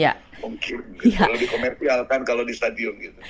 kalau di komersial kan kalau di stadium